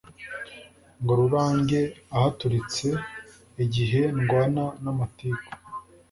Ngo rurande ahaturitse Igihe ndwana n'amatiku